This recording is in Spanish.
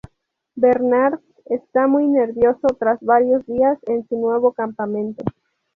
Bernard está muy nervioso tras varios días en su nuevo campamento.